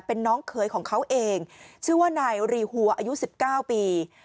เป็นน้องเขยของเขาเองชื่อว่านายรีหัวอายุ๑๙ปี